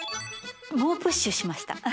猛プッシュしました。